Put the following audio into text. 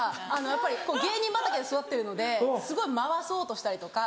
やっぱり芸人畑で育ってるのですごい回そうとしたりとか。